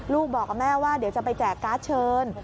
ลูกบอกกับแม่ว่าเดี๋ยวจะไปแจกการ์ดเชิญ